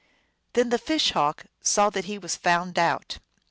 Then the Fish Hawk saw that he was found out.